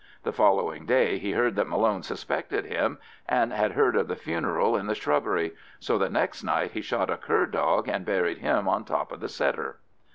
The following day he heard that Malone suspected him, and had heard of the funeral in the shrubbery, so the next night he shot a cur dog, and buried him on top of the setter.